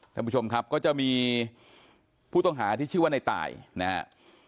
ท่านผู้ชมครับก็จะมีผู้ต้องหาที่ชื่อว่าในตายนะครับ